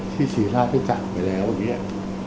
ที่เชียราชได้จักรไปแล้วอย่างเนี้ย